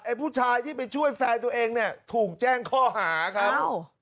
ผู้ชายที่ไปช่วยแฟนตัวเองเนี่ยถูกแจ้งข้อหาครับ